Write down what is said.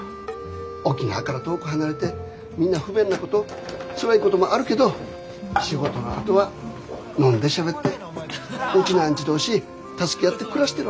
沖縄から遠く離れてみんな不便なことつらいこともあるけど仕事のあとは飲んでしゃべってウチナーンチュ同士助け合って暮らしてるわけ。